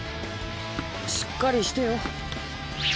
しっかりしてよ。